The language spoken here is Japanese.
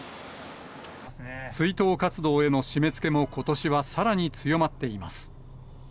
追悼活動への締めつけもことしはさらに強まっています。